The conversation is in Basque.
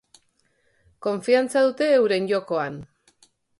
Konfiantza dute euren jokoan.